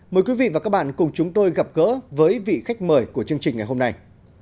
mời quý vị và các bạn cùng chúng tôi gặp gỡ với vị khách mời của chương trình ngày hôm nay